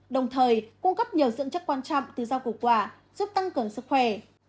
đồng thời cung cấp nhiều dưỡng chất quan trọng từ rau củ quả giúp tăng cường sức khỏe